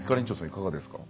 いかがですか。